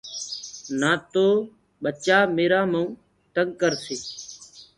نآ تو ٻچآ ميرآ مئون تنگ ڪرسيٚ